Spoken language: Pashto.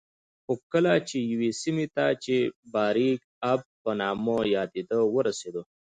خو کله چې یوې سیمې ته چې د باریکآب په نامه یادېده ورسېدو